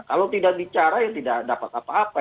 kalau tidak bicara ya tidak dapat apa apa